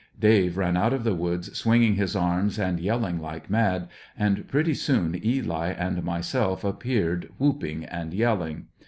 Dave ran out of the w^oods swingmg his arms and yelling like mad, and pretty soon Eli and myself appeared, whooping and yelling.